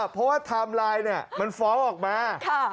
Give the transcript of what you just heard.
เพราะว่าไทม์ไลน์เนี่ยมันฟอร์สออกมา